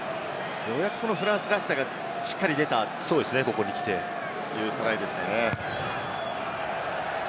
ようやくフランスらしさがしっかり出たというトライでしたね。